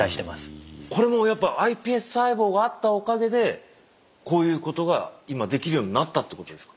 これもやっぱｉＰＳ細胞があったおかげでこういうことが今できるようになったってことですか？